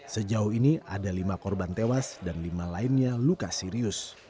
sejauh ini ada lima korban tewas dan lima lainnya luka serius